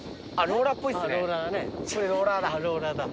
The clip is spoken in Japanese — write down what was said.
ローラーだ。